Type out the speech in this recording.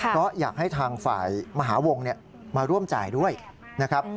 เพราะอยากให้ทางฝ่ายมหาวงมาร่วมจ่ายด้วยนะครับ